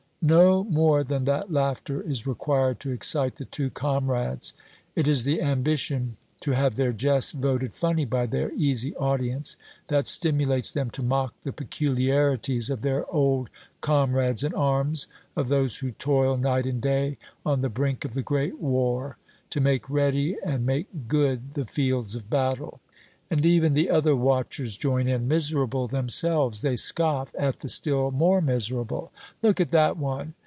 No more than that laughter is required to excite the two comrades. It is the ambition to have their jests voted funny by their easy audience that stimulates them to mock the peculiarities of their old comrades in arms, of those who toil night and day on the brink of the great war to make ready and make good the fields of battle. And even the other watchers join in. Miserable themselves, they scoff at the still more miserable. "Look at that one!